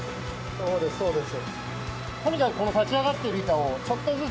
そうです、そうです。